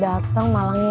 kayanya neller dia sih